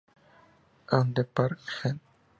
Out the Park ent.